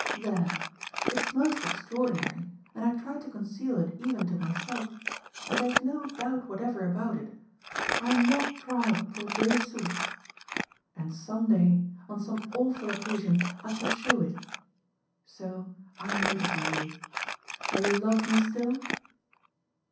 There! It's most extraordinary and I try to conceal it even to myself; but there's no doubt whatever about it I'm not proud pour deux sous. And some day, on some awful occasion, I shall show it. So I notify you. Shall you love me still?"